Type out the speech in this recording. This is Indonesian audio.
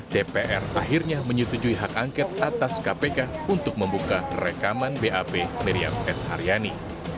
dpr akhirnya menyetujui hak angket atas kpk untuk membuka rekaman bap miriam s haryani